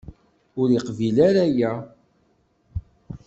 Ur iqebbel ara aya.